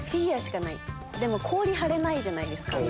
でも氷張れないじゃないですか。